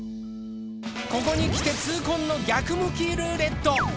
ここに来て痛恨の逆向きルーレット！